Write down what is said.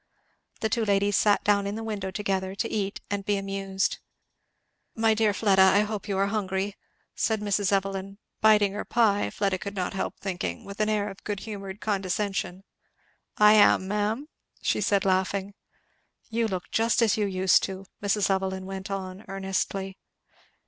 The two ladies sat down in the window together to eat and be amused. "My dear Fleda, I hope you are hungry!" said Mrs. Evelyn, biting her pie Fleda could not help thinking with an air of good humoured condescension. "I am, ma'am," she said laughing. "You look just as you used to do," Mrs. Evelyn went on earnestly.